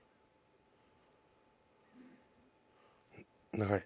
長い。